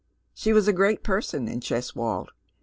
She was a great person in Cheswold.